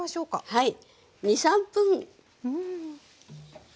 はい。